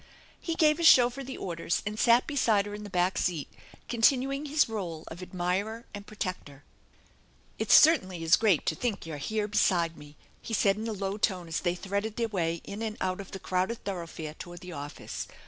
He gave his chauffeur the orders and sat beside ber in the back seat, continuing his role of admirer and protector. THE ENCHANTED BARN 293 " It certainly is great to think you're here beside me," he said in a low tone as they threaded their way in and out of the crowded thoroughfare toward the office.